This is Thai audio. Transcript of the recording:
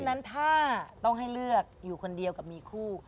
นั้นถ้าต้องให้เลือกอยู่คนเดียวกับมีคู่